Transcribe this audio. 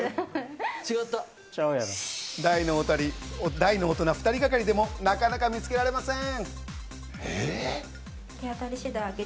大の大人２人がかりでもなかなか見つけられません。